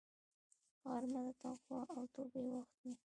غرمه د تقوا او توبې وخت وي